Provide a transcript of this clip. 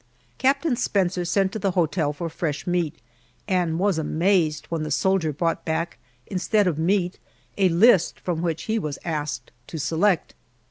Captain Spencer sent to the hotel for fresh meat and was amazed when the soldier brought back, instead of meat, a list from which he was asked to select.